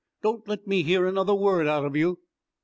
Don't let me hear another word out of you!"